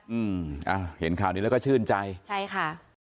อืมอ่าเห็นข่าวนี้แล้วก็ชื่นใจใช่ค่ะ